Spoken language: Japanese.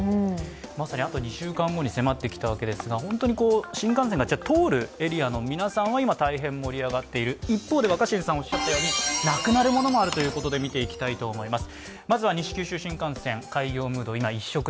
まさにあと２週間後に迫ってきたわけですが、新幹線が通るエリアの皆さんは今、大変盛り上がっている一方で若新さん、おっしゃったように、なくなるものもあるということで見ていきたいと思います。